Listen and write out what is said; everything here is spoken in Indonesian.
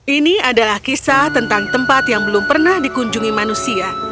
ini adalah kisah tentang tempat yang belum pernah dikunjungi manusia